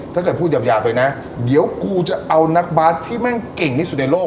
ถ้าเกิดพูดหยาบไปนะเดี๋ยวกูจะเอานักบาสที่แม่งเก่งที่สุดในโลก